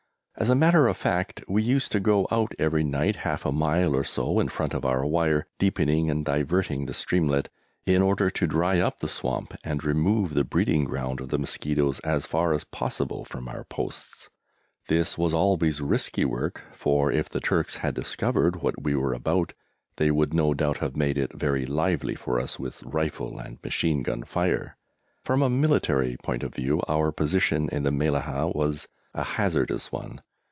As a matter of fact we used to go out every night half a mile or so in front of our wire, deepening and diverting the streamlet, in order to dry up the swamp and remove the breeding ground of the mosquitoes as far as possible from our posts. This was always risky work, for, if the Turks had discovered what we were about, they would no doubt have made it very lively for us with rifle and machine gun fire. From a military point of view our position in the Mellahah was a hazardous one.